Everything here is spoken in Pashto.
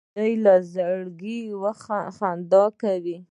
نجلۍ له زړګي خندا کوي.